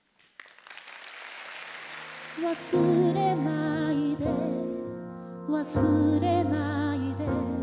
忘れないで忘れないで